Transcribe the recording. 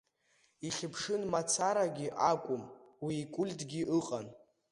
Ихьыԥшын мацарагьы акәым, уи икультгьы ыҟан.